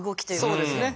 そうですね。